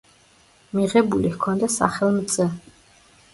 მიღებული ჰქონდა სახელმწ.